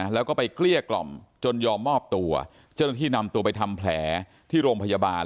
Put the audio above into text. แล้วก็ไปเกลี้ยกล่อมจนยอมมอบตัวเจ้าหน้าที่นำตัวไปทำแผลที่โรงพยาบาล